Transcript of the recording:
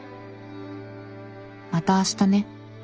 『また明日ね』